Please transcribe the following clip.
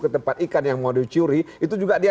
ke tempat ikan yang mau dicuri itu juga dia